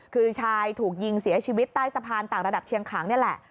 คือชายถูกยิงเสียชีวิตใต้สะพานต่างระดับเชียงขังนี่แหละ